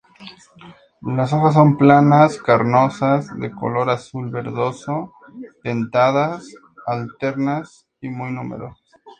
Las hojas son planas, carnosas de color azul verdoso, dentadas, alternas y muy numerosas.